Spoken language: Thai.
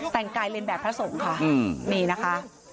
แต่งกายเรียนแบบพระสงฆ์ค่ะนี่นะคะ